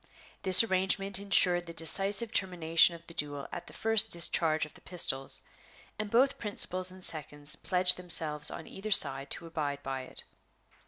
This arrangement insured the decisive termination of the duel at the first discharge of the pistols, and both principals and seconds pledged themselves on either side to abide by it.